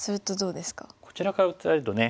こちらから打たれるとね